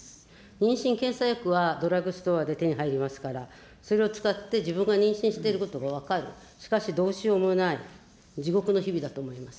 妊娠検査薬はドラッグストアで手に入りますから、それを使って自分が妊娠していることが分かる、しかしどうしようもない、地獄の日々だと思います。